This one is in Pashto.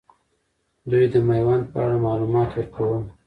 دوي د میوند په اړه معلومات ورکول.